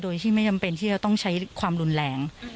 โดยที่ไม่จำเป็นที่จะต้องใช้ความรุนแรง